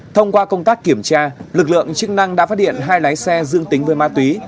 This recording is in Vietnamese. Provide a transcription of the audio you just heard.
thông qua công tác kiểm tra lực lượng chức năng đã phát hiện hai lái xe dương tính với ma túy